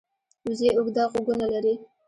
وزې اوږده غوږونه لري